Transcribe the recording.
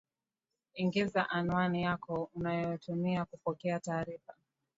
ingiza anwani yako unayotumia kupokea taarifa